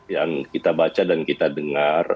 yang kita baca dan kita dengar